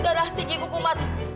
darah tinggi kuku matahari